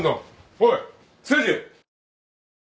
おい誠治。